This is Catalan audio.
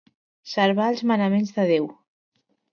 Servar els manaments de Déu.